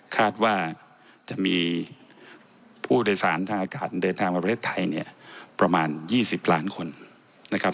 คาดว่าจะมีผู้โดยสารทางอากาศเดินทางมาประเทศไทยเนี่ยประมาณ๒๐ล้านคนนะครับ